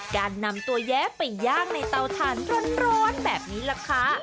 การนำตัวแย้ไปย่างในเตาถ่านร้อนแบบนี้แหละค่ะ